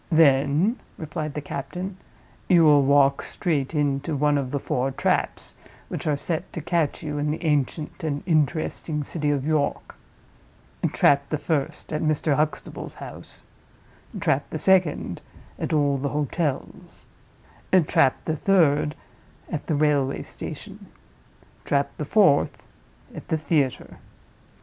"Then," replied the captain, "you will walk straight into one of the four traps which are set to catch you in the ancient and interesting city of York. Trap the first, at Mr. Huxtable's house; trap the second, at all the hotels; trap the third, at the railway station; trap the fourth, at the theater.